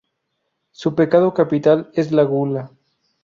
Su pecado capital es la Gula.